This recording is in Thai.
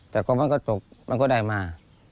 แต่ของมันก็ตกมันก็ได้มา